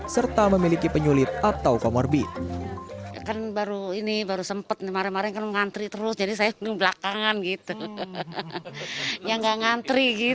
serta memiliki penyulit atau comorbid